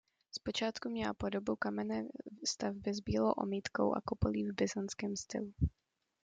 Zpočátku měla podobu kamenné stavby s bílou omítkou a kupolí v byzantském stylu.